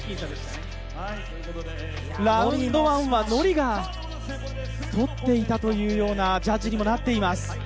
ラウンド１はＮｏｒｉが取っていたというようなジャッジにもなっています。